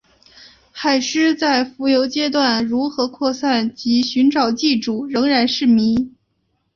海虱在浮游阶段如何扩散及寻找寄主仍然是迷。